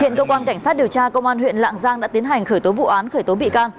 hiện cơ quan cảnh sát điều tra công an huyện lạng giang đã tiến hành khởi tố vụ án khởi tố bị can